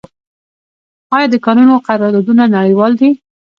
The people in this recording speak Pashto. آیا د کانونو قراردادونه نړیوال دي؟